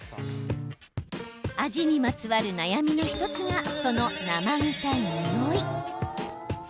アジにまつわる悩みの１つがその生臭いにおい。